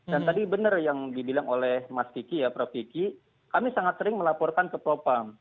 dan tadi benar yang dibilang oleh mas kiki ya prof kiki kami sangat sering melaporkan ke propam